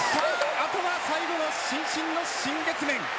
あとは最後の伸身の新月面。